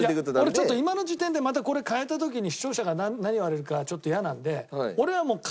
俺ちょっと今の時点でまたこれ変えた時に視聴者から何言われるかちょっと嫌なので。